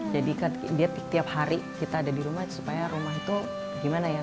jadi kan dia tiap hari kita ada di rumah supaya rumah itu gimana ya